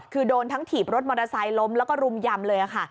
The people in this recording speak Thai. คือโดนทั้งถีบรถมอเตอร์ไซค์ล้มแล้วก็รุมยำเลยค่ะ